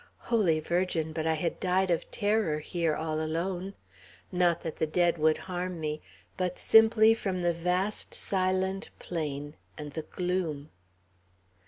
Holy Virgin! but I had died of terror here all alone. Not that the dead would harm me; but simply from the vast, silent plain, and the gloom."